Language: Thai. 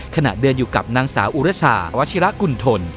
ขณะเดินอยู่กับนางสาวอุรชาวัชิระกุณฑล